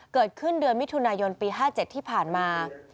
เกิดขึ้นเดือนมิถุนายนปี๕๗ที่ผ่านมา